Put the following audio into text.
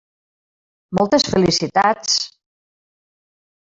Moltes felicitats!